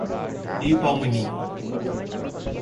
Ipaumirim